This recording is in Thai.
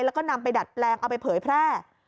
แล้วก็นำไปดัดแปลงเอาไปเผยแพร่